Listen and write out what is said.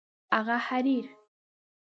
هغه حریر